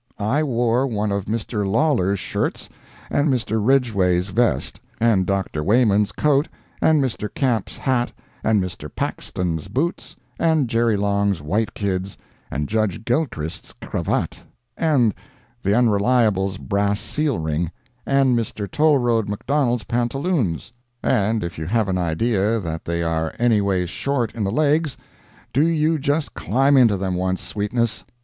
I wore one of Mr. Lawlor's shirts, and Mr. Ridgway's vest, and Dr. Wayman's coat, and Mr. Camp's hat, and Mr. Paxton's boots, and Jerry Long's white kids, and Judge Gilchrist's cravat, and the Unreliable's brass seal ring, and Mr. Tollroad McDonald's pantaloons—and if you have an idea that they are anyways short in the legs, do you just climb into them once, sweetness.